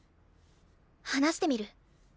話してみる。